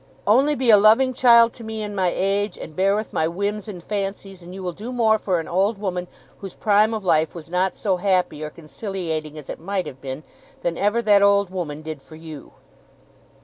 Only be a loving child to me in my age, and bear with my whims and fancies; and you will do more for an old woman whose prime of life was not so happy or conciliating as it might have been, than ever that old woman did for you.